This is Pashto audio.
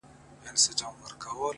سترگي دي ژوند نه اخلي مرگ اخلي اوس ـ